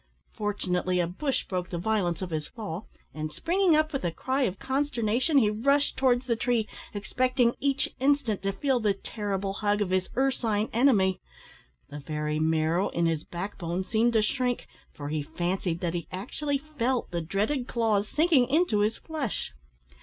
Fortunately a bush broke the violence of his fall, and, springing up with a cry of consternation, he rushed towards the tree, expecting each instant to feel the terrible hug of his ursine enemy. The very marrow in his back bone seemed to shrink, for he fancied that he actually felt the dreaded claws sinking into his flesh.